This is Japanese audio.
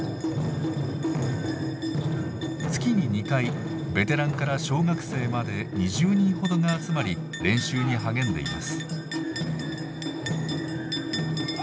月に２回ベテランから小学生まで２０人ほどが集まり練習に励んでいます。